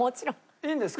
いいんですか？